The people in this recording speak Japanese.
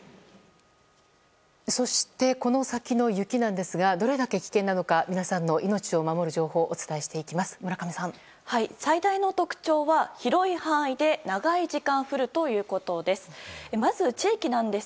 そして、この先の雪なんですがどれだけ危険なのか皆さんの命を守る情報をお伝えしていきます。